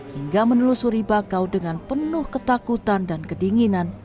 hingga menelusuri bakau dengan penuh ketakutan dan kedinginan